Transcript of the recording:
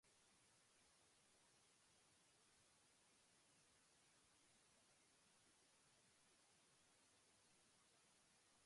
¿Qué recuerdos especiales tienes de tu infancia en este lugar?